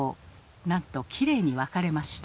なんときれいに分かれました。